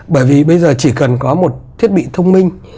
bởi vì bây giờ chỉ cần có một thiết bị thông minh